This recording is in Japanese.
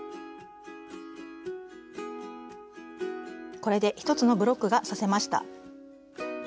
これで１つのブロックが刺せました。